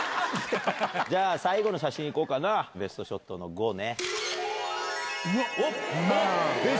じゃあ最後の写真行こうかな「ベストショット」ね。